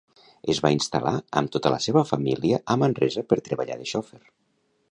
Es va instal·lar amb tota la seva família a Manresa per treballar de xofer.